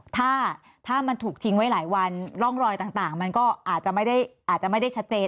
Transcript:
ถ้ามันถูกทิ้งไว้หลายวันร่องรอยต่างมันก็อาจจะไม่ได้ชัดเจน